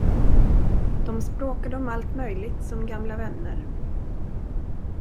De språkade om allt möjligt som gamla vänner.